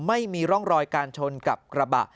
ไม่มีร่องรอยการชนกับกระบะ